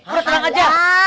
udah terang aja